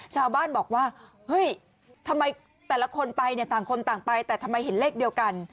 ชาวบ้านบอกว่าเฮ้ยทำไมแต่ละคนไปเนี่ยต่างคนต่างไปแต่ทำไมเห็นเลขเดียวกัน